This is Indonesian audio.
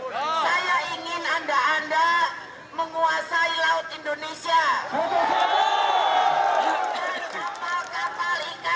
saya ingin anda anda menguasai laut indonesia